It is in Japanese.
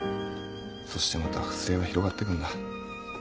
そしてまた不正が広がってくんだ。